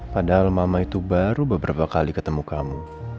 padahal mama itu baru beberapa kali ketemu kamu